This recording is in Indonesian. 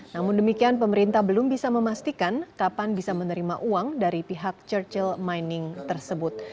namun demikian pemerintah belum bisa memastikan kapan bisa menerima uang dari pihak churchill mining tersebut